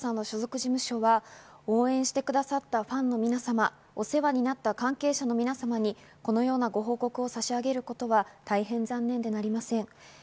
神田沙也加さんの所属事務所は応援してくださったファンの皆様、お世話なった関係者の皆様にこのようなご報告を差し上げることは大変残念でなりません。